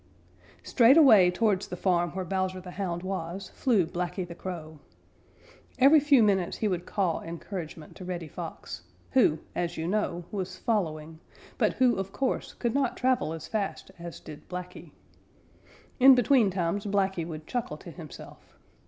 _ Straight away towards the farm where Bowser the Hound was flew Blacky the Crow. Every few minutes he would caw encouragement to Reddy Fox, who, as you know, was following, but who of course could not travel as fast as did Blacky. In between times Blacky would chuckle to himself.